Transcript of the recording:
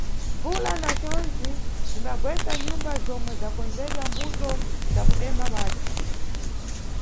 Mbvula na condzi bzimbagwesa nyumba zomwe zakondzedwa mʼmbuto za kudemba madzi.